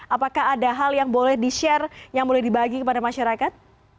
apakah ada hal yang boleh di share yang boleh dibagi kepada masyarakat